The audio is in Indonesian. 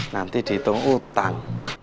nanti dihitung utang